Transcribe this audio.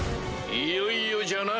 いよいよじゃな。